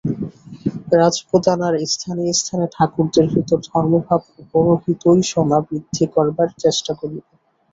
রাজপুতানার স্থানে স্থানে ঠাকুরদের ভিতর ধর্মভাব ও পরহিতৈষণা বৃদ্ধি করিবার চেষ্টা করিবে।